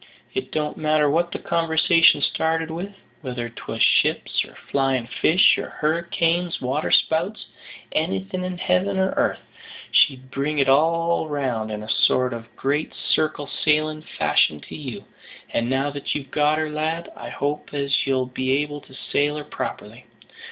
It don't matter what the conversation started with, whether 'twas ships, or flyin' fish, or hurricanes, waterspouts anything in heaven or airth, she'd bring it all round in a sort of great circle sailing fashion to you. And now that you've got her, lad, I hope as you'll be able to sail her properly.